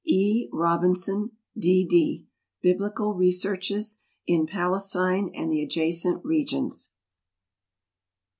E. Eobinson, D.D. Biblical Researches in Palestine and the adjacent regions.